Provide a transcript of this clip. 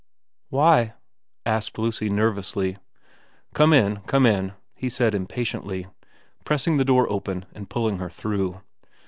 ' Why ?' asked Lucy nervously. * Come in, come in,' he said impatiently, pressing the door open and pulling her through.